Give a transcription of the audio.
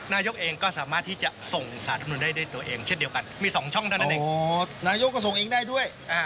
นายกก็ส่งเองได้ด้วย